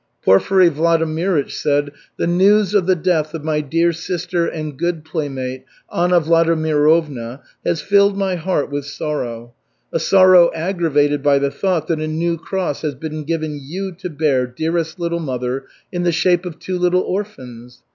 Porfiry Vladimirych said: "The news of the death of my dear sister and good playmate, Anna Vladimirovna, has filled my heart with sorrow, a sorrow aggravated by the thought that a new cross has been given you to bear, dearest little mother, in the shape of two little orphans.